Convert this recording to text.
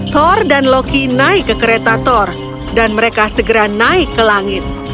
thor dan loki naik ke kereta thor dan mereka segera naik ke langit